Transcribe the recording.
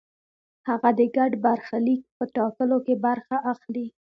هغه د ګډ برخلیک په ټاکلو کې برخه اخلي.